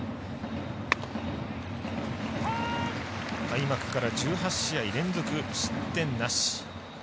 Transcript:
開幕から１８試合連続失点なし。